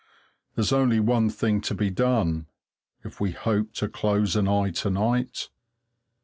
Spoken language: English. There's only one thing to be done, if we hope to close an eye to night.